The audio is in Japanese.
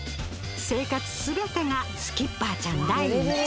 生活全てがスキッパーちゃん第一。